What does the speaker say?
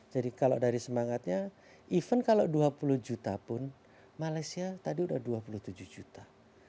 jadi kalau dari semangatnya even kalau dua puluh juta pun malaysia tadi sudah dua puluh tujuh juta